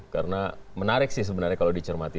karena menarik sih sebenarnya kalau dicermati